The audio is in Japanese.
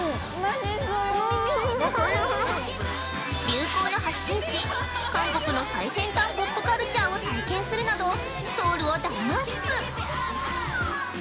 流行の発信地、韓国の最先端ポップカルチャーを体験するなど、ソウルを大満喫。